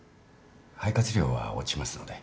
肺活量は落ちますので。